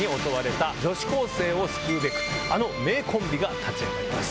あの名コンビが立ち上がります。